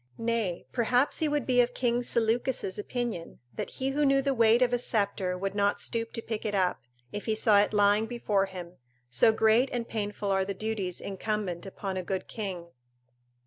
Nay, perhaps he would be of King Seleucus' opinion, that he who knew the weight of a sceptre would not stoop to pick it up, if he saw it lying before him, so great and painful are the duties incumbent upon a good king.